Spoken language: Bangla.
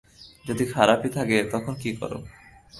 যদি খারাপই থাকে তখন কি করো?